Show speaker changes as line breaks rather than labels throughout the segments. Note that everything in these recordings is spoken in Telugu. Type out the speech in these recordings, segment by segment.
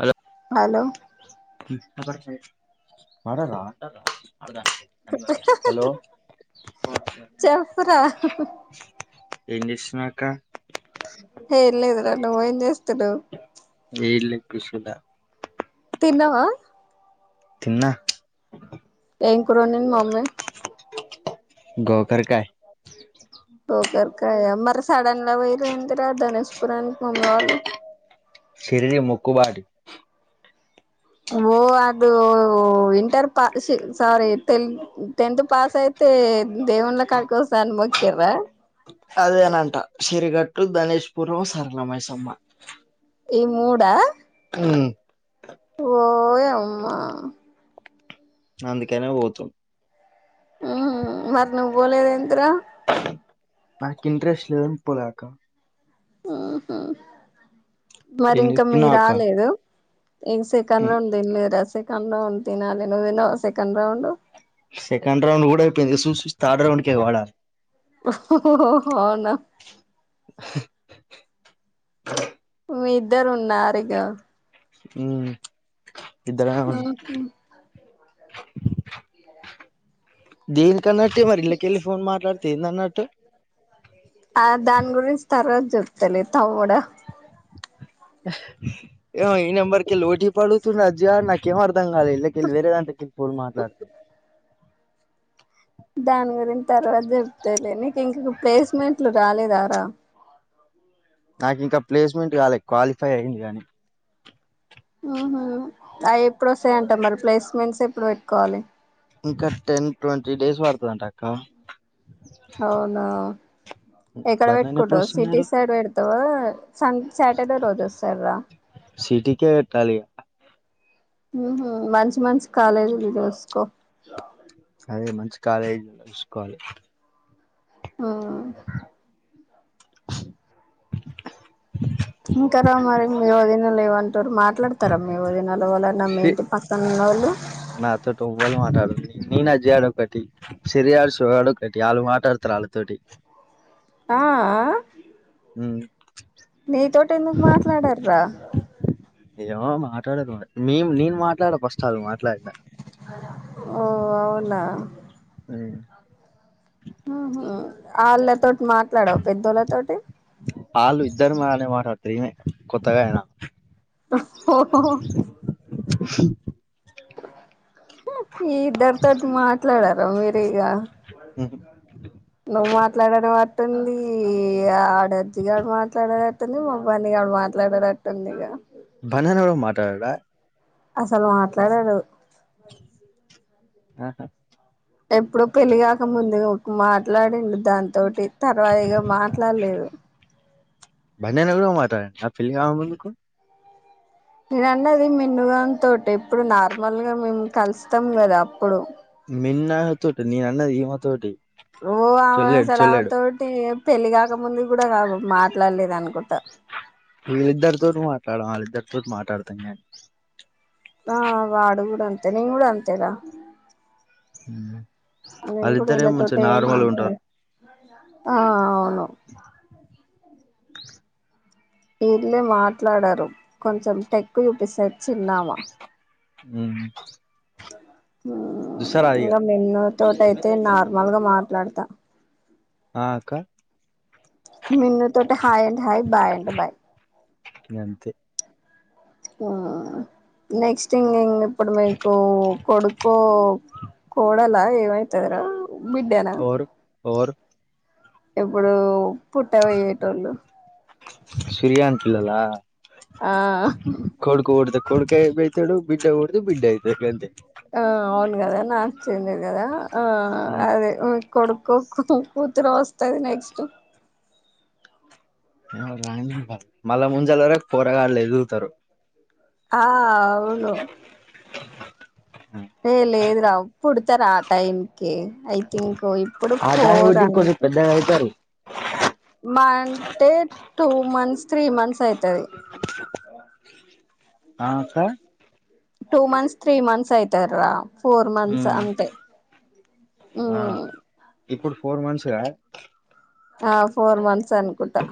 హలో
హలో
[inaudible] రాలేదా హలో
చెప్పురా
ఎం చేస్తున్నవక్క
ఏం లేదురా నువ్వేం చేస్తున్నావ్
ఏంలే కూర్చున్న
తిన్నవా
తిన్నా
ఏం కూరొండింది మమ్మీ
గోకరకాయ్
అదే గోకరకాయ మరి సడన్ లా పోయిరెంది రా ధనేష్పురనికి మమ్మీ వాళ్లూ
షిరిడీ మొక్కు బాడీ
ఓ అదో వింటర్ పాస్ సి సారీ తెలు టెన్త్ పాస్ అయితే దేవుళ్ల కాడికి పోత అని మొక్కిరా
అదేనంటా సిరిగట్లు, ధనేష్పురు, సరల మైసమ్మ
ఈ మూడా
ఉమ్
ఓయమ్మా
అందుకనే పోతు
ఉ మరి నువ్వు పోలేదేంది రా
నాకు ఇంట్రెస్ట్ పోలేక
ఉహు మరి
ఏం
ఇంకా మీ
చేస్తున్నావ్ అక్క
రాలేదు ఏక సెకండ్ రౌండ్ తిన్నలేరా సెకండ్ రౌండ్ తిన్నాలి ను్ తిన్నావా సెకండ్ రౌండ్
సెకండ్ రౌండ్ కూడాపోయింది సూసి సూసి థర్డ్ రౌండ్ ఎగవాడాలి
అవునా మీ ఇద్దర్ ఉన్నారిగా
ఉ ఇద్దరమే ఉన్ దేనికన్నట్ మరి ఇళ్లకెళ్ళి ఫోన్ మాట్లాడితే ఏందన్నట్టు
ఆ దాని గురించి తర్వాత చెప్తాలే తమ్ముడా
ఏమో ఈ నంబర్కికేలి ఓటీపీ అడుగుతుండు అంజి గాడు నక్ కెమోర్దాంగాలే ఇల్లకెళ్ళి వేరే దాంట్లకెల్లి ఫోన్ మాట్లాడితే
దాని గురించి తర్వాత చెప్తేలే నీకు ఇంక ప్లేస్మెంట్లు రాలేదారా
నాకు ఇంకా ప్లేస్మెంట్ కాలే క్వాలిఫై అయి్యింది గానీ
ఉహు అయి ఎప్పుడస్తాయింట మరి ప్లేస్మెంట్స్ ఎప్పుడు పెట్టకోవాలి
ఇంకా టెన్ ట్వంటీ డేస్ పడుతదంట అక్క
అవునా ఎక్కడ
బర్ణన్ ఎప్పుడు
వేట్టుకుంటావ్ సిటీ
వస్తున్నాడు
సైడ్ వెట్ వా సంత్ సాటర్డే రోజు ఆస్తాడురా
సిటీకే వేట్టాలిగా
ఉహు మంచి్ మంచి కాలేజీలు చూసుకో
అదే మంచి కాలేజీ చూసుకోవాలి
ఉ ఇంకా రా మరి మీవోధినలు ఏమంటూరు మాట్లాడతారా మీవోదినలు ఒవళ్ళ న్నా మీ
ఛీ
ఇంటి పక్కనా ఉన్నోళ్ళు
నాతోటి ఒవ్వరు మాట్లాడళ్ళు నేను అంజి గాడు ఒకటి [unintelligible] ఒకటి ఇగ ఆళ్ళు మాట్లాడతారు ఆళ్ళతోటి
ఆ
ఉ
నీతితో ఎందుకు మాట్లాడారురా
ఏమో మాట్లాడను మేం నేను మాట్లాడ ఫస్ట్ అల్ మాట్లాడినా
ఓ అవునా
ఉ
ఉహు ఆళ్ళతోటి మాట్లాడవ్ పెద్దోళ్ళతోటి
అల్లు ఇద్దరు బానే మాట్లాడతారు ఈమె కొత్తగా
ఓ ఓహోహో ఇద్దరితోటి మాట్లాడారా మీరు ఇగ
ఉహు
నువ్వు మాట్లాడడం అట్ ఉంది ఆడర్జి గడు మాట్లాడ ను మా బన్నీ గాడు మాట్లాడారు అట్టుందిక
బన్నీ గాడు గూడా మాట్లాడటన
అసలు మాట్లాడాడు
ఆహా
ఎప్పుడో పెళ్లిగాక ముందు ఏమో మాట్లాడండి దాంతోటి తర్వాత ఇక మాట్లాడలేదు
బన్నన్న కూడా మాట్లాడిండా పెళ్లిగాక ముందుకు
నేనండి అది మినుగన్ తోటి ఎప్పుడు నార్మల్గా మేము కలుస్తాం కదా అప్పుడు
మిన్న తోటి నిన్న అన్నది ఈ మా తోటి
ఓ ఆ
చొల్లేడు
అసలావ
చొల్లేడు
తోటి పెళ్లి కాకముందు కూడా కాదు మాట్లాడలేదు అనుకుంటా
వీళ్ళిద్దరితో మాట్లాడ వాళ్ళిద్దరితో మాట్లాడతాం నే
ఆ వాడు కూడా అంతే నేను కూడా అంతేరా నేను కూడా
వాళ్ళిద్దరే
వీళ్ళతోటి
మంచి
ఏం
నార్మల్గా
మాట్లాడ
ఉంటారు
ఆ అవును వీళ్ళే మాట్లాడారు కొంచెం టెక్కు చూపిస్తాది చిన్నామ
ఉ దుసా
ఇంగ
ఆదిగా
మిన్ను తోటి అయితే నార్మల్గా మాట్లాడతా
[inaudible] ఆ అక్క
మిన్నూ తోటే హాయ్ అంటే హాయ్ బాయ్ అంటే బయ్
ఇక అంతే
ఉమ్ నెక్స్ట్ ఇంగ్ంగ్ ఇప్పుడు మీకు కొడుకొ కోడలా ఏమైతాదిరా
ఓరు ఓరు
ఎప్పుడు పుట్ట పోయేటోళ్లు
సూరియాన్ పిల్లల
ఆ
కొడుకు పుడితే కొడుకా అయిపోతాడు బిడ్డ పుడితే బిడ్డ అయితాడు అంతే
ఆ అవును కదా నాకు చెంది కదా ఆ అదే కొడుక్కోకు కూతురు వస్తుంది నెక్స్ట్
[unintelligible] మళ్ళ ముజలరకు పోరగాళ్ళలు ఎదుగుతారు
ఆ అవును
[inaudible]
ఏ లేదు రా పుడతారా ఆ టైం ఓకే ఐ థింక్ ఇప్పుడు
ఆ దాన్ని
ఫోర్
బట్టి ఇంకొంచెం
అంట
పెద్దగా అయితారు
మంతే టూ మంత్స్ త్రీ మంత్స్ అయితది
ఆ అక్క
టూ మంత్స్ త్రీ మంత్స్ అయితారు ఫోర్ మంత్స్ అంతే ఊ
ఆ ఇప్పుడు ఫోర్ మంత్స్ గా
ఆ ఫోర్ మంత్స్ అనుకుంటా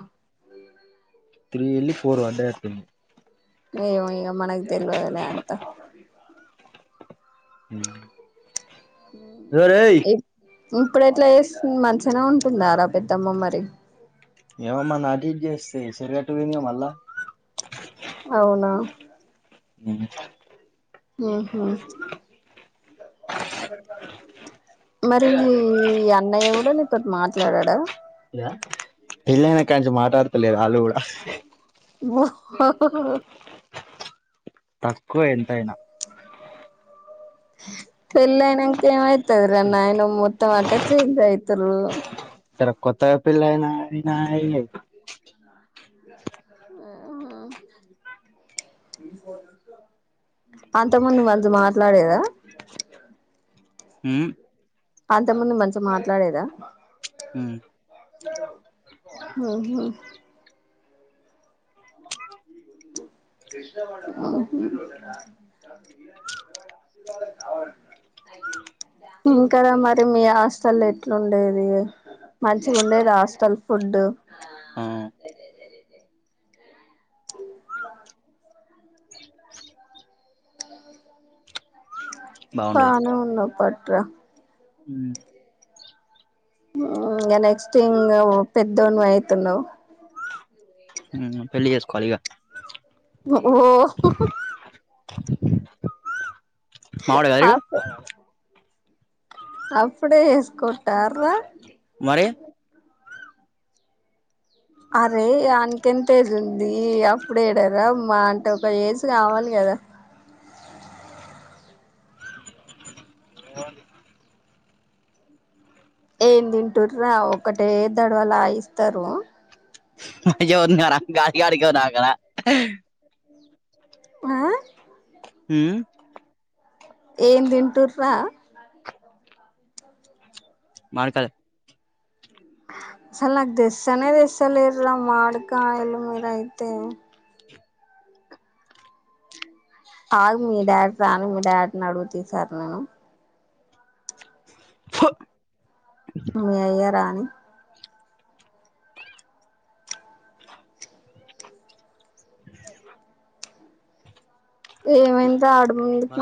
త్రీ ఎల్లి పోరు అంటే యాపిల్
ఏమో ఇక మనకు తెలవదులే అర్థం
[inaudible]
ఊ
ఓరేయ్
ఇప్ ఇప్పుడు అట్లా చేస్తుంది మంచిగనే ఉంటుందారా పెద్దమ్మ మరి
ఏమన్నా న్నా అటీట్ చేస్తే సిగరెట్టు విని మళ్ళా
అవునా
మూముంచికా
ఊహు మరీ ఈ అన్నయ్య కూడా నీతోటి మాట్లాడడా
ఇగా పెళ్ళైనా కాంచి మాట్లాడతలేదు వాళ్ళు కూడా
ఓ హొ హొ హొ
తక్కువ ఎంతయినా
పెళ్లయినంక ఏమైతాదిరా నాయన మొత్తం అంత చేంజ్ అయితురు
తర కొత్తగా పెళ్లైనా నాది నాయి
[unintelligible] అంతకు ముందు వాంతో మాట్లాడేదా [unintelligible]
హ్మ్
అంత ముందు మంచి మాట్లాడేదా
హ్మ్
ఉహు హ్మ్ హు ఇవాళ దారిన్ దయ్యుమ్ త త ఇంకా ర మరి మీ హాస్టల్లో ఎట్లుండేది మంచిగా ఉండేది హాస్టల్ ఫుడ్డు
హ్మ్
ఉంటా
బాగుండేది
బానే ఉన్నావ్ పట్రా
హ్మ్
ఆ ఇంగ నెక్స్ట్ ఇంగ పెద్దోన్వి అయితున్నావ్
హ్మ్ పెళ్లి చేసుకోవాలి ఇగ
ఓహ్
మావడ గాద ఈడు
అప్ అప్పుడే చేస్కుంటార్రా
మరే
అరే ఆన్న్ంతేజ్ ఉంది అప్పుడేడరా మా అంటే ఒక ఏజ్ కావాలి కదా
[unintelligible]
ఏం తింటుార్రాఒకటే దడవలాయిస్తరూ
[unintelligible]
అ
ఊ
ఏం దింటుర్రా [inaudible]
మామిడికాలు
అస్సలు నాక్ దెస్తనే తెస్తాలేర్రా మామిడికాయలు మీరైతే ఆగు మీ డాడీ రాని మీ డాడీని అడుగుతా ఈ సారి నేను
చ్చో
మీ అయ్య రాణి ఏమైందో ఆడ ముందుకు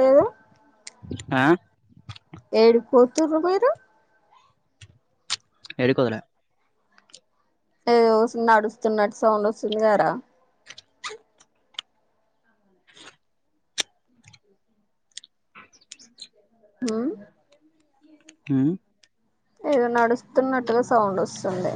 ఫు ఆ
ఏడికి పోతుర్రు మీరు
ఏడికోదల
ఏదో నడుస్తున్నట్టు సౌండ్ వస్తుంది గారా చ హ్మ్
ఉమ్
ఏదో నడుస్తున్నట్టుగా సౌండ్ వస్తుంది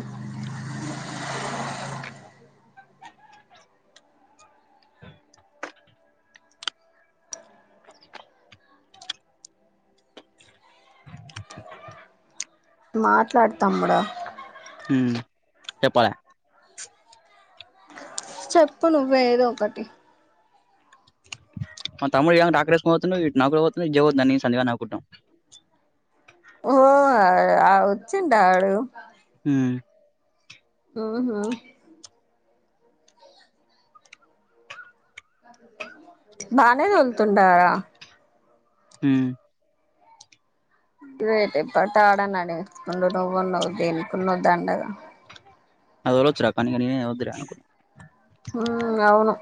మాట్లాడ్తం రా
ఉమ్ చెప్పాలె
చెప్పు నువ్వే ఏదో ఒకటి
మా తముడు ఏమో ట్రాక్టర్ ఏసుకుని పోతుండు ఇట్ పోత్ జవ నన్ని సంధి గాడు నవ్వుకుట్నాం
ఓ ఆ వచ్చిండా ఆడు
ఉమ్
ఊహు బానే తోలుతుండారా
ఉమ్
రేట్ ఎప్పటాడ నడించుకుండు నువ్వు ఉన్నవ్ దేనుకున్నవ్ దండగా
[unintelligible] పని ఇగ నేనే ఒద్దులే అనుకున్నా
ఉమ్ అవును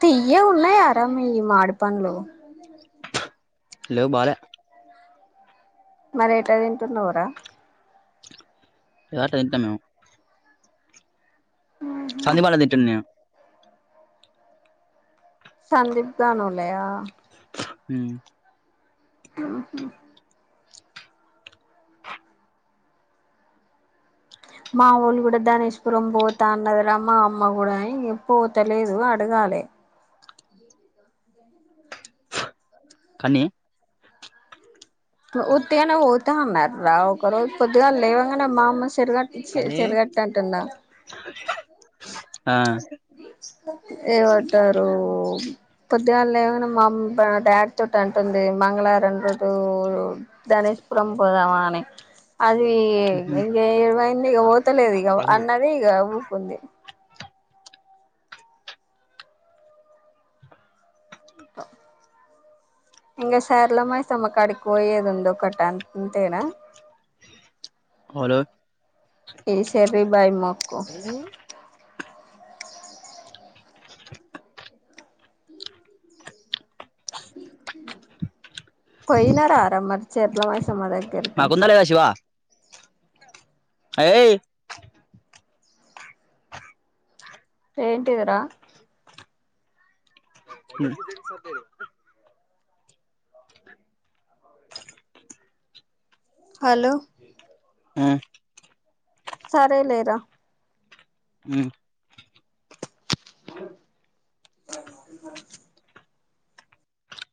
తియ్యగా ఉన్నాయారా మీయి మాడి పండ్లు
లేవ్ బాలే
మరి ఎట్ట తింటున్నావురా?
ఎదో అట్ట తింటం మేము సందీప్ అన్న తిట్టుడ్ నేవు
సందీప్ గా నోలయా
ఉమ్
మా వోళ్ళు కూడా ధనేష్పురం పోతా అన్నది రా మా అమ్మ కూడాని పోతలేదు అడగాలె
కానీ
ఉత్తిగానే పోతం అన్నార్రా ఒకరోజ్ పొద్దుగానే లేవంగానే మా అమ్మ చెరిగట్ చె
కన్నీ
చెరిగట్టు అంటండ
ఆ
ఏవంటారు? పొద్దుగా లేవగానే మా అమ్ డాడి తోటి అంటుంది మంగళవారం రోతూ ధనేష్పురం పోదామ అని అది
ఉహు.
ఇంక ఏమైంది ఇక పోతలేదు ఇక
రంగు
అన్నది ఇక ఊకుంది ఇంకా ఎంగ సర్లో మైసమ్మకాడికి పోయేది ఉంది ఒకటి అంతేనా?
వోలు
ఈ చెర్రి బాయ్ మొక్కు పోయినారార మరి చర్లా మైసమ్మ దగ్
నాకుంద లేదా శివ ఏయ్
ఏంటిదిరా?
హ్మ్
హలో
ఊ
సరే లేరా
ఉమ్